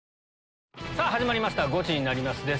さぁ始まりました「ゴチになります」です。